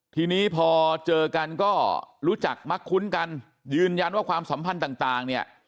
ทีนี้พอเจอกันก็รู้จักมักคุ้นกันยืนยันว่าความสัมพันธ์ต่างเนี่ย